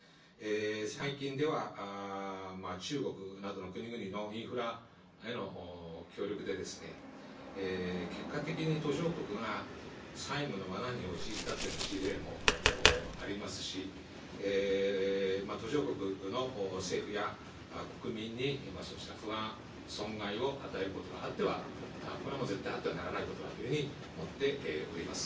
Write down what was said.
最近では、中国などの国々のインフラへの協力で、結果的に途上国が債務のわなに陥ったという事例もありますし、途上国の政府や国民にそうした不安、損害を与えることがあっては、これはもう絶対あってはならないことだというふうに思っております。